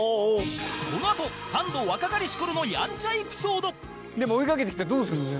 このあとサンド若かりし頃のヤンチャエピソードでも追いかけてきてどうするの？